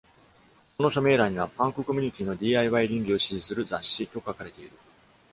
その署名欄には、「パンクコミュニティの DIY 倫理を支持する雑誌」と書かれている。